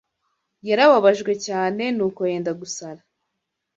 Yarababajwe cyane nuko yenda gusara.